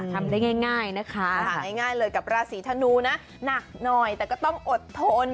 ทำได้ง่ายนะคะหาง่ายเลยกับราศีธนูนะหนักหน่อยแต่ก็ต้องอดทน